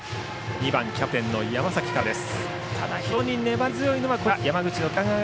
２番キャプテンの山崎から。